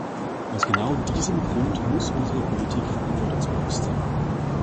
Aus genau diesem Grund muss unsere Politik verantwortungsbewusst sein.